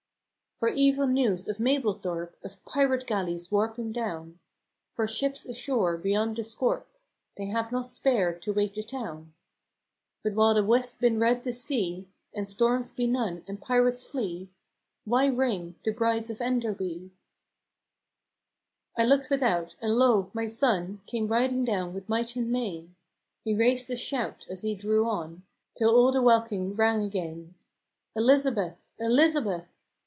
"For evil news from Mablethorpe, Of pyrate galleys warping down; For shippes ashore beyond the scorpe, They have not spared to wake the towne; THE HIGH TIDE. 7 1 But while the west bin red to see, And storms be none, and pyrates flee, Why ring, ' The Brides of Enderby '?" I looked without, and lo ! my sonne Came riding down with might and main; He raised a shout as he drew on, Till all the welkin rang again, " Elizabeth ! Elizabeth